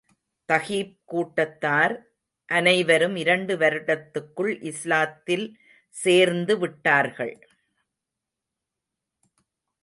தகீப் கூட்டத்தார் அனைவரும் இரண்டு வருடத்துக்குள் இஸ்லாத்தில் சேர்ந்து விட்டார்கள்.